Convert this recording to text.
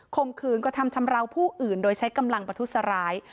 มขืนกระทำชำราวผู้อื่นโดยใช้กำลังประทุษร้าย